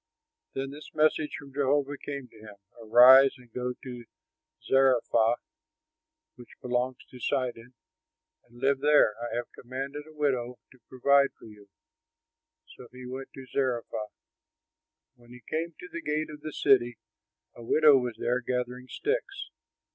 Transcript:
Then this message from Jehovah came to him, "Arise, go to Zarephath which belongs to Sidon, and live there. I have commanded a widow there to provide for you." So he went to Zarephath. When he came to the gate of the city, a widow was there gathering sticks.